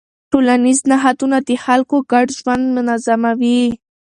ټولنیز نهادونه د خلکو ګډ ژوند منظموي.